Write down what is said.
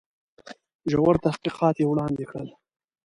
ژور تحقیقات یې وړاندي کړل.